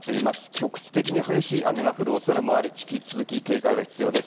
局地的に激しい雨が降るおそれもあり、引き続き警戒が必要です。